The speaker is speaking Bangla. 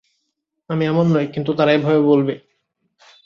আমি এমন নই, কিন্তু তারা এভাবে বলবে।